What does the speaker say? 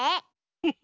フフフ。